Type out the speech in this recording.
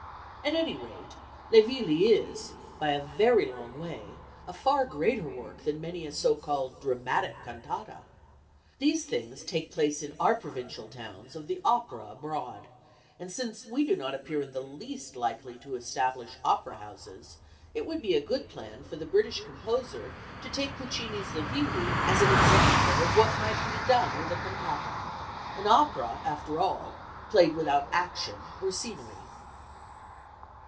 At any rate, Le Villi is, by a very long way, a far greater work than many a so called "dramatic" cantata. These things take the place in our provincial towns of the opera abroad; and since we do not appear in the least likely to establish opera houses, it would be a good plan for the British composer to take Puccini's Le Villi as an example of what might be done with a cantata an opera, after all, played without action or scenery.